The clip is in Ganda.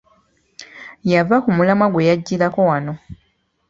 Yava ku mulamwa gwe yajjirako wano.